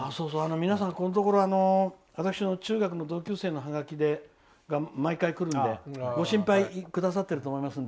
皆さんこのところ私の中学の同級生のハガキが毎回くるのでご心配くださっていると思います。